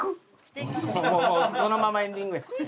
そのままエンディングや。